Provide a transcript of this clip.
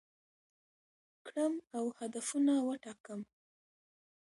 کړم او هدفونه وټاکم،